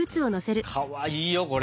かわいいよこれ。